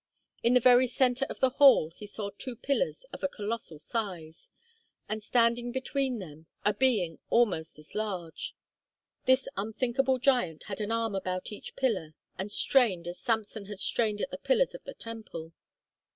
In the very centre of the hall he saw two pillars of a colossal size, and standing between them a being almost as large. This unthinkable giant had an arm about each pillar and strained as Samson had strained at the pillars of the temple.